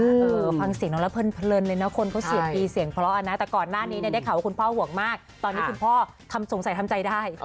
ความเสียงของน้องเราเผินเผลินเลยนะแต่ก่อนหน้านี้ฉับแต่คุณพ่อห่วงมากก็นี่คุณพ่อทำสงสัยทั้งใจได้